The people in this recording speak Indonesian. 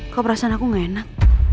kok perasaan aku gak enak